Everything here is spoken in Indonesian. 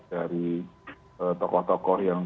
dari tokoh tokoh yang